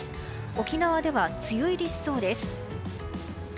沖縄では梅雨入りしそうです。